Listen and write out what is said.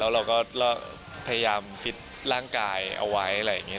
เราก็พยายามฟิตร่างกายเอาไว้อะไรอย่างนี้